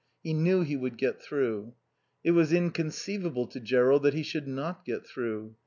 He knew he would get through. It was inconceivable to Jerrold that he should not get through.